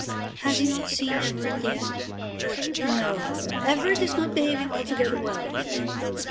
"Has he not seen Everett yet?" "No. Everett is not behaving altogether well."